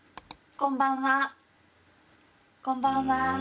こんばんは。